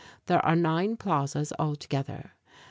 There are nine plazas altogether.